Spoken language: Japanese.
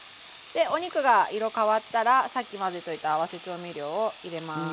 でお肉が色変わったらさっき混ぜといた合わせ調味料を入れます。